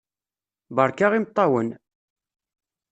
Beṛka imeṭṭawen!